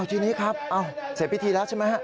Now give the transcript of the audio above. ทีนี้ครับเสร็จพิธีแล้วใช่ไหมฮะ